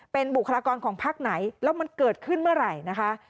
เป็นบุคลากรของพักไหนแล้วมันเกิดขึ้นเมื่อไหร่นะคะ